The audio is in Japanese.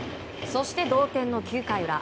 そして、同点の９回裏。